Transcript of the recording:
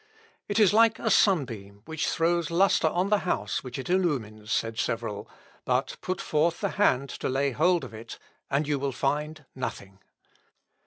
"It is like a sunbeam, which throws lustre on the house which it illumines," said several, "but put forth the hand to lay hold of it and you will find nothing."